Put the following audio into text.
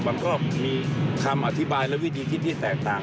มันก็มีคำอธิบายและวิธีคิดที่แตกต่าง